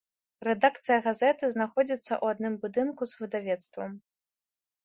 Рэдакцыя газеты знаходзіцца ў адным будынку з выдавецтвам.